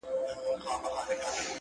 سیاه پوسي ده ـ رنگونه نسته ـ